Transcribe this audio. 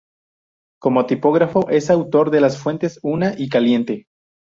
Como tipógrafo, es autor de las fuentes "Unna" y "Caliente".